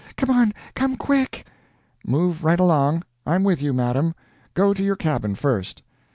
Come on! come quick!" "Move right along; I'm with you, madam. Go to your cabin first."